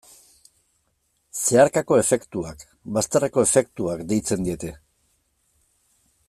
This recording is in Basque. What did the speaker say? Zeharkako efektuak, bazterreko efektuak, deitzen diete.